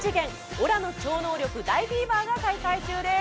オラの超能力大フィーバーが開催中です。